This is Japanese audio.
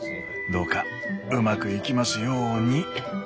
どうかうまくいきますように。